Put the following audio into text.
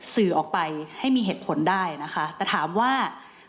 สื่อออกไปให้มีเหตุผลได้นะคะแต่ถามว่า